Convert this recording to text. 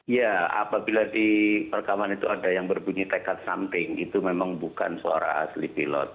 ya apabila di perekaman itu ada yang berbunyi tekad something itu memang bukan suara asli pilot